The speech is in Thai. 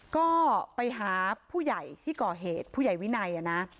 ก็ไปหาผู้ใหญ่ที่ก่อเหตุผู้ใหญ่วินัยนะ